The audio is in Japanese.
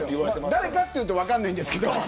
誰かというと分かんないんですけど。